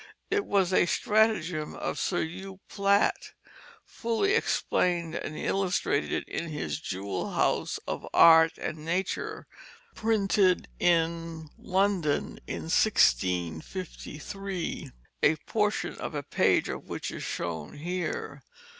It was a stratagem of Sir Hugh Plat, fully explained and illustrated in his Jewel House of Art and Nature, printed in London in 1653, a portion of a page of which is shown here.